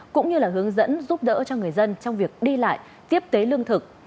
cũng như là hướng dẫn giúp đỡ cho người dân trong việc đi lại tiếp tế lương thực